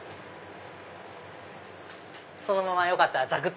そのままよかったらざく！